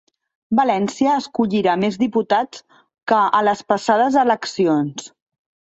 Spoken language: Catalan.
València escollirà més diputats que a les passades eleccions